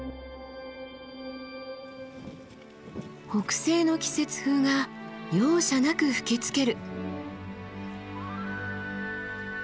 北西の季節風が容赦なく吹きつける。